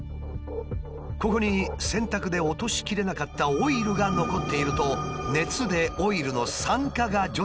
ここに洗濯で落としきれなかったオイルが残っていると熱でオイルの酸化が徐々に進んでいく。